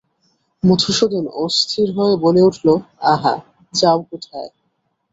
মধুসূদন অস্থির হয়ে বলে উঠল, আহা, যাও কোথায়?